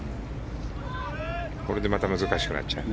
これでまた難しくなっちゃうね。